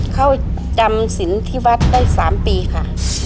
เขาจำสินที่วัดได้สามปีค่ะ